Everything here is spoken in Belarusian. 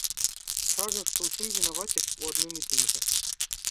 Кажа, што ўсім вінавацяць у адным і тым жа.